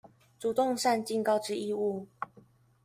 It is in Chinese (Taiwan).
主動善盡告知義務